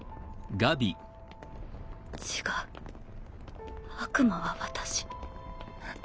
違う悪魔は私。